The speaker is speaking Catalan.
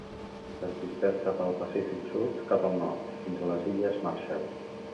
Es dispersa pel Pacífic Sud, cap al nord, fins a les illes Marshall.